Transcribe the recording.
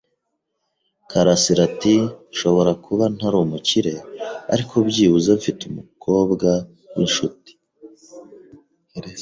karasira ati: "Nshobora kuba ntari umukire, ariko byibuze mfite umukobwa w'inshuti."